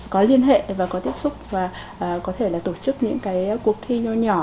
có liên hệ và có tiếp xúc và có thể là tổ chức những cái cuộc thi nhỏ nhỏ